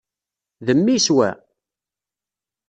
D mmi-s, wa?